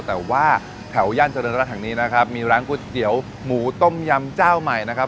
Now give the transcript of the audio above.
แต่ว่าแถวย่านเจริญรัฐแห่งนี้นะครับมีร้านก๋วยเตี๋ยวหมูต้มยำเจ้าใหม่นะครับ